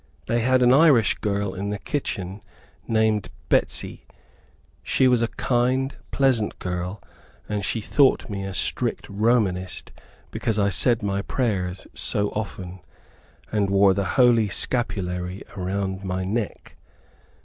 They had an Irish girl in the kitchen, named Betsy. She was a kind, pleasant girl, and she thought me a strict Romanist because I said my prayers so often, and wore the Holy Scapulary round my neck.